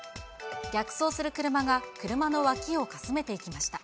逆走する車が、車の脇をかすめていきました。